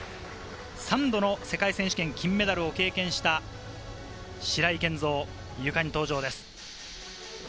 ３度の世界選手権金メダルを経験した白井健三、ゆかに登場です。